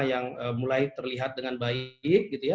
yang mulai terlihat dengan baik